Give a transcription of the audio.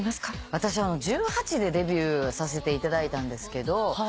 私１８でデビューさせていただいたんですけど。